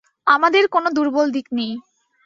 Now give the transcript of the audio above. আমাদের কোনো দুর্বল দিক নেই।